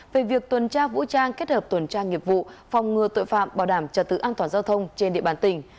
về việc tuần tra vũ trang kết hợp tuần tra nghiệp vụ phòng ngừa tội phạm bảo đảm trật tự an toàn giao thông trên địa bàn tỉnh